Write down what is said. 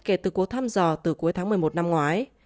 kể từ cuộc thăm dò từ cuối tháng một mươi một năm ngoái